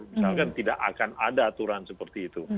misalkan tidak akan ada aturan seperti itu